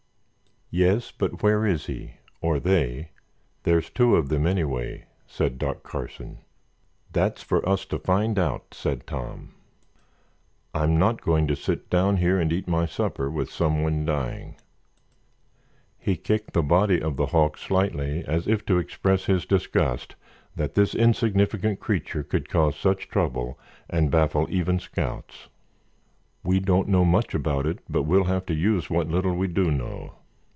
"Yes, but where is he—or they? There's two of them, anyway," said Doc Carson. "That's for us to find out," said Tom. "I'm not going to sit down here and eat my supper with someone dying." He kicked the body of the hawk slightly as if to express his disgust that this insignificant creature could cause such trouble and baffle even scouts. "We don't know much about it but we'll have to use what little we do know.